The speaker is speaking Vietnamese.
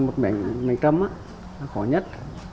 một mảnh trầm khó nhất